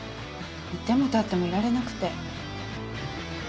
居ても立ってもいられなくて。